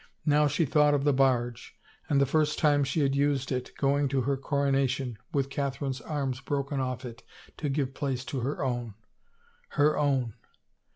Now she thought of the barge, and the first time she had used it, going to her coronation, with Catherine's arms broken off it to give place to her own — her own.